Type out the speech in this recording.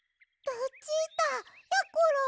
ルチータ！やころ！